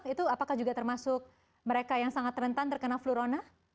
itu apakah juga termasuk mereka yang sangat rentan terkena flurona